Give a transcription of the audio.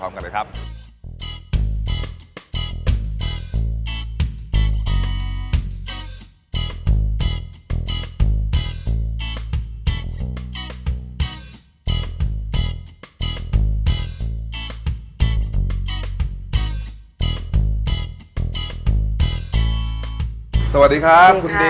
อย่างเช่นประเทศไทยที่ตั้งอยู่ในเขตร้อนและอบอุ่นเป็นส่วนใหญ่